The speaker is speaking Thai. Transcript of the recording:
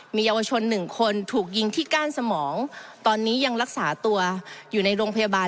มีเยาวชนหนึ่งคนถูกยิงที่ก้านสมองตอนนี้ยังรักษาตัวอยู่ในโรงพยาบาล